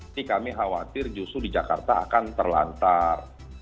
ini kami khawatir justru di jakarta akan terlantar